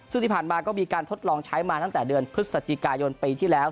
ซึ่งที่ผ่านมาก็มีการทดลองใช้มาตั้งแต่เดือนพฤศจิกายนปีที่แล้ว